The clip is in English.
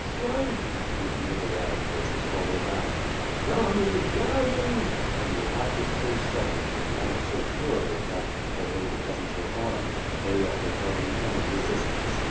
"Strike!" repeated the wild voices farther back. "Yeremy! Yeremy!" The attack was so sudden, the panic so terrible that, al though the peasants were armed, they offered hardly any re sistance.